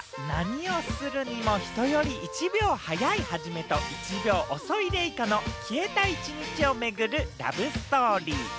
映画は何をするにも１秒早いハジメと、１秒遅いレイカの消えた一日を巡るラブストーリー。